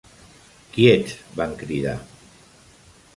"Quiets", van cridar.